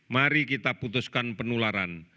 mari kita putuskan penularan